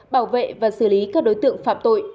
bảo vệ và xử lý các đối tượng phạm tội